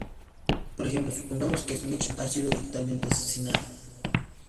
Por ejemplo, supongamos que Smith ha sido brutalmente asesinado.